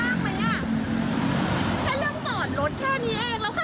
แค่นี้คุณก็มีประเด็นแล้วคุณเป็นอะไรมากมั้ยอะ